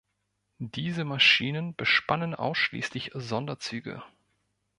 Diese Maschinen bespannen ausschließlich Sonderzüge.